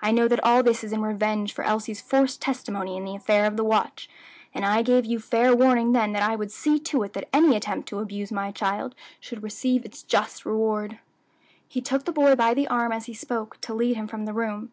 I know that all this is in revenge for Elsie's forced testimony in the affair of the watch, and I gave you fair warning then that I would see to it that any attempt to abuse my child should receive its just reward." He took the boy by the arm as he spoke, to lead him from the room.